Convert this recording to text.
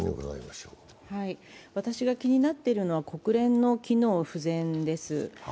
私が気になっているのは国連の機能不全です。